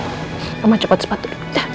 mama cepet sepatu